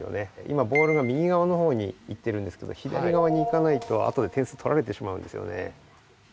今ボールが右がわのほうにいってるんですけど左がわにいかないとあとで点数取られてしまうんですよね。